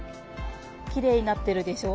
きれいになってるでしょう？